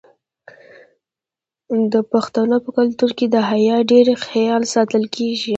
د پښتنو په کلتور کې د حیا ډیر خیال ساتل کیږي.